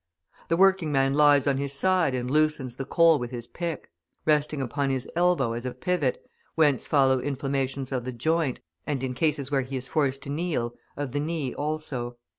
The working man lies on his side and loosens the coal with his pick; resting upon his elbow as a pivot, whence follow inflammations of the joint, and in cases where he is forced to kneel, of the knee also.